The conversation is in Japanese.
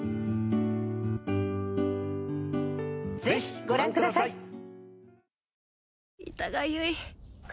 ぜひご覧ください。